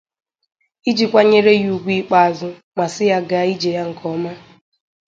iji kwanyere ya ùgwù ikpeazụ ma sị ya gàá ije ya nke ọma.